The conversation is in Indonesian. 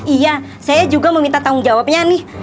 iya saya juga mau minta tanggung jawabnya nih